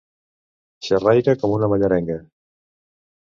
Xerraire com una mallerenga.